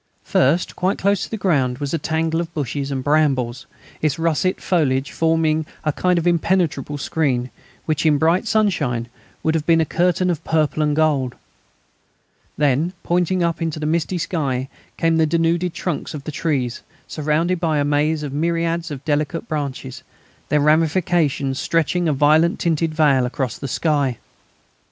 First, quite close to the ground, was a tangle of bushes and brambles, its russet foliage forming a kind of impenetrable screen, which, in bright sunshine, would have been a curtain of purple and gold. Then, pointing up into the misty sky, came the denuded trunks of the trees, surrounded by a maze of myriads of delicate branches, their ramifications stretching a violet tinted veil across the sky.